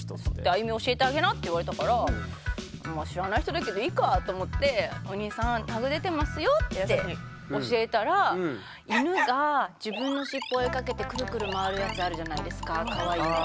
「安祐美教えてあげな」って言われたから知らない人だけどいいかと思ってって教えたら犬が自分の尻尾追いかけてクルクル回るやつあるじゃないですかかわいいの。